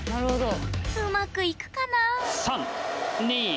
うまくいくかな？